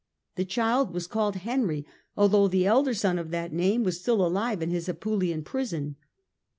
The child was called Henry, although the elder son of that name was still alive in his Apulian prison.